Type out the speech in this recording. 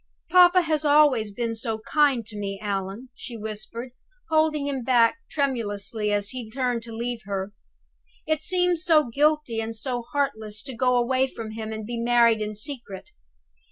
"Papa has always been so kind to me, Allan," she whispered, holding him back tremulously when he turned to leave her. "It seems so guilty and so heartless to go away from him and be married in secret.